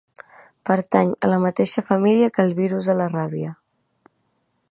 Pertany a la mateixa família que el virus de la ràbia.